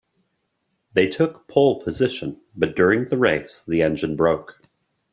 They took pole position, but during the race, the engine broke.